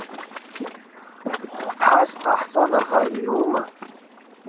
Хәыԥҳас дҟаҳҵон аха иума!